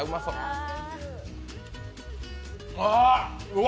うわ！